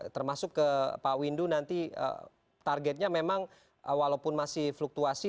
termasuk ke pak windu nanti targetnya memang walaupun masih fluktuasi